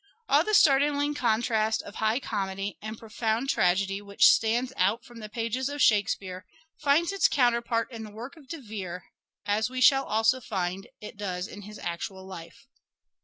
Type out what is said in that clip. All the startling contrast of high comedy and profound tragedy which stands out from the pages of Shakespeare finds its counterpart in the work of De Vere, as we shall also find it does in his actual life.